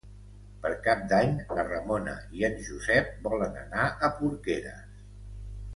Per Cap d'Any na Ramona i en Josep volen anar a Porqueres.